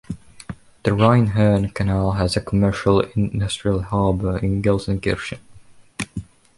The Rhine-Herne Canal has a commercial-industrial harbour in Gelsenkirchen.